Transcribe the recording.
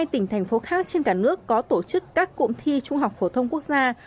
hai mươi tỉnh thành phố khác trên cả nước có tổ chức các cụm thi trung học phổ thông quốc gia